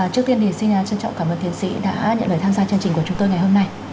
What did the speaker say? trước tiên thì xin trân trọng cảm ơn tiến sĩ đã nhận lời tham gia chương trình của chúng tôi ngày hôm nay